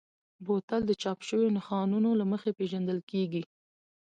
بوتل د چاپ شویو نښانونو له مخې پېژندل کېږي.